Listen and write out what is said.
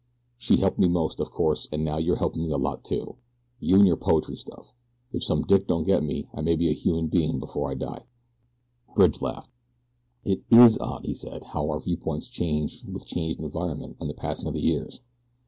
She helped me most, of course, an' now you're helpin' me a lot, too you an' your poetry stuff. If some dick don't get me I may get to be a human bein' before I die." Bridge laughed. "It IS odd," he said, "how our viewpoints change with changed environment and the passing of the years.